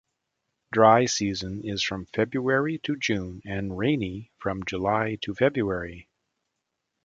Dry season is from February to June and rainy from July to February.